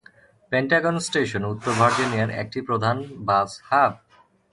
Pentagon station উত্তর ভার্জিনিয়ার একটি প্রধান বাস হাব।